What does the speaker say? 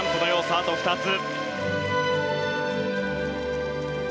あと２つ。